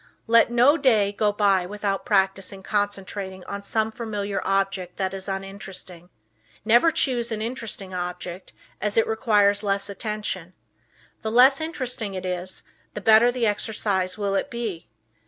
Let no day go by without practicing concentrating on some familiar object that is uninteresting. Never choose an interesting object, as it requires less attention. The less interesting it is the better exercise will it be.